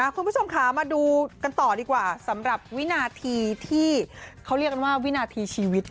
คุณผู้ชมคะมาดูต่อสำหรับวินาธีที่กลับเป็นวินาธีชีวิต